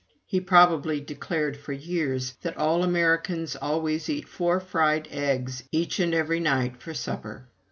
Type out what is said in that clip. He probably declared for years that all Americans always eat four fried eggs each and every night for supper.